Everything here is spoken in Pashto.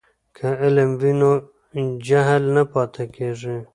که علم وي نو جهل نه پاتې کیږي.